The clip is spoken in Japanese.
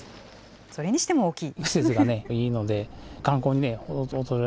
それにしても大きい。